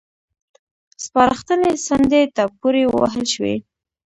سپارښتنې څنډې ته پورې ووهل شوې.